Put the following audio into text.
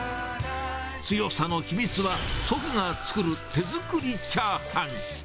強さの秘密は、祖父が作る手作りチャーハン。